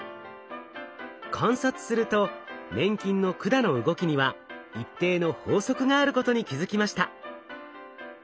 観察すると粘菌の管の動きには一定の法則があることに気付きました。